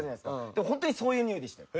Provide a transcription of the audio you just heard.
でもホントにそういうにおいでしたよ。